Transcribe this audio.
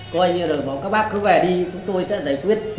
coi như rồi báo các bác cứ về đi chúng tôi sẽ giải quyết